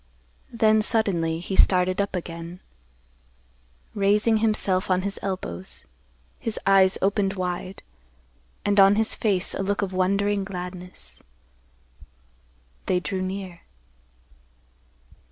Then suddenly, he started up again, raising himself on his elbows, his eyes opened wide, and on his face a look of wondering gladness. They drew near.